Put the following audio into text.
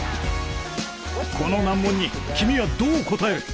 この難問に君はどう答える？